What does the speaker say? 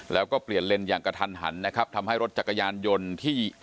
แล้วก็เปลี่ยนเลนส์อย่างกระทันหันนะครับทำให้รถจักรยานยนต์ที่